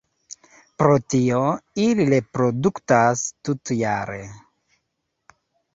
Pro tio, ili reproduktas tutjare.